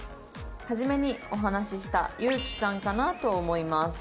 「初めにお話しした裕樹さんかなと思います」。